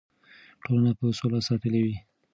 ټولنه به سوله ساتلې وي.